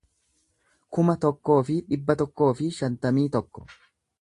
kuma tokkoo fi dhibba tokkoo fi shantamii tokko